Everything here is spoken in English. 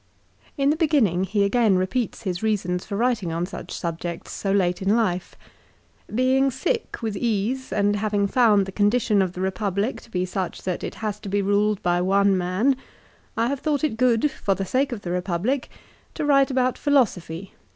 In the beginning he again repeats his reasons for writing on such subjects so late in life. " Being sick with ease, and having found the condition of the Eepublic to be such that it has to be ruled by one man, I have thought it good, for the sake of the Republic, to write about philosophy in a Tus.